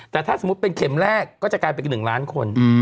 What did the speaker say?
แต่ถ้าสมมุติเป็นเข็มแรกก็จะกลายเป็นอีก๑ล้านคน